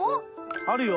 あるよ。